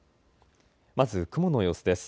まず雲の様子です。